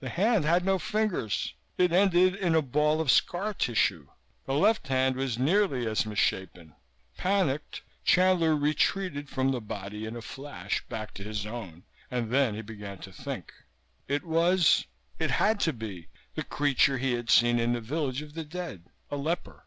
The hand had no fingers. It ended in a ball of scar tissue. The left hand was nearly as misshapen. Panicked, Chandler retreated from the body in a flash, back to his own; and then he began to think. It was, it had to be, the creature he had seen in the village of the dead. A leper.